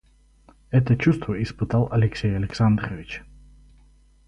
Это чувство испытал Алексей Александрович.